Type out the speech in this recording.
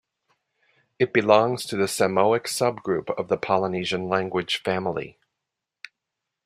It belongs to the Samoic subgroup of the Polynesian language family.